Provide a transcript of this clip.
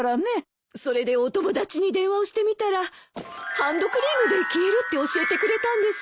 それでお友達に電話をしてみたらハンドクリームで消えるって教えてくれたんです。